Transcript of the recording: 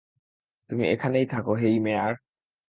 তুমি এখানেই থাক হেই, মেয়ার!